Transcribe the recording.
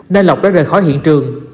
nên lộc đã rời khỏi hiện trường